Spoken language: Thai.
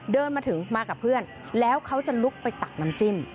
เดินมาถึงมากับเพื่อนแล้วเขาจะลุกไปตักน้ำจิ้ม